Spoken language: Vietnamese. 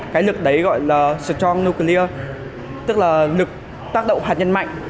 cái lực đấy gọi là strong nuclear tức là lực tác động hạt nhân mạnh